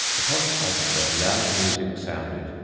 Upon sight of her loud music sounded.